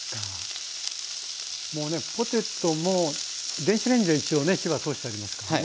もうねポテトも電子レンジで一応ね火は通してありますからね。